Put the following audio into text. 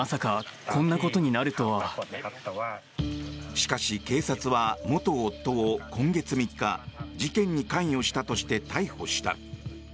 しかし、警察は元夫を今月３日事件に関与したとして逮捕した。